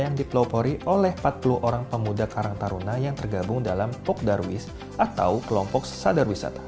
yang dipelopori oleh empat puluh orang pemuda karang taruna yang tergabung dalam pok darwis atau kelompok sesadar wisata